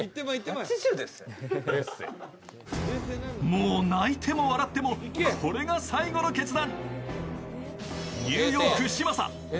もう泣いても笑ってもこれが最後の決断。